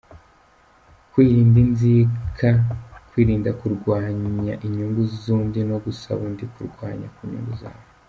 Kwirinda inzika, kwirinda kurwanya inyungu z’undi no gusaba undi kurwana ku nyungu zabo.